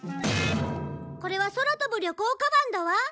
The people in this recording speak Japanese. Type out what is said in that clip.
これは空飛ぶ旅行カバンだわ！